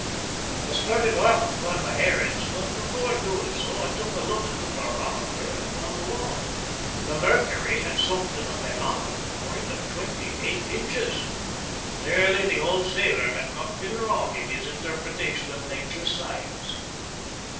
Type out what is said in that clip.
I started off upon my errands, but before doing so I took a look at the barometer upon the wall. The mercury had sunk to the phenomenal point of twenty eight inches. Clearly the old sailor had not been wrong in his interpretation of Nature's signs.